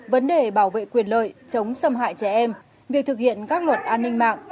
vấn đề bảo vệ quyền lợi chống xâm hại trẻ em việc thực hiện các luật an ninh mạng